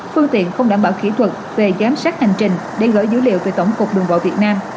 phương tiện không đảm bảo kỹ thuật về giám sát hành trình để gửi dữ liệu từ tổng cục đường bộ việt nam